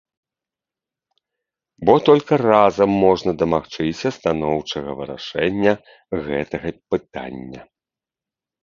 Бо толькі разам можна дамагчыся станоўчага вырашэння гэтага пытання.